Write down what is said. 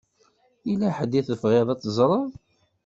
Yella ḥedd i tebɣiḍ ad teẓṛeḍ?